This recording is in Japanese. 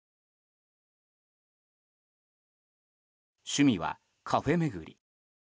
趣味はカフェ巡り。